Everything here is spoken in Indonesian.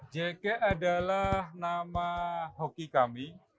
jk adalah nama hoki kami